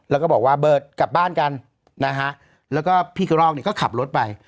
แล้วก็บอกว่าเบิร์ดกลับบ้านกันแล้วก็พี่กระลอกก็ขับรถไป